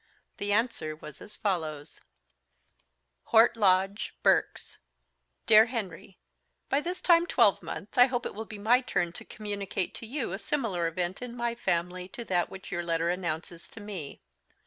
The answer was as follows; "HORT LODGE, BERKS. "DEAR HENRY By this time twelve month I hope it will be my turn to communicate to you a similar event in my family to that which your letter announces to me.